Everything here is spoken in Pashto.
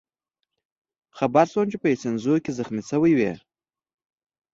خبر شوم چې په ایسونزو کې زخمي شوی وئ.